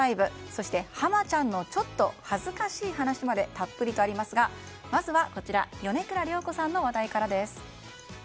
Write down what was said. そして、浜ちゃんのちょっと恥ずかしい話までたっぷりとありますがまずは米倉涼子さんの話題からです。